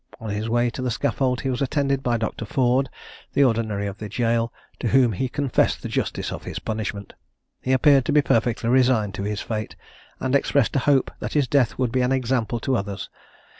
On his way to the scaffold he was attended by Dr. Ford, the ordinary of the jail, to whom he confessed the justice of his punishment. He appeared to be perfectly resigned to his fate, and expressed a hope that his death would be an example to others.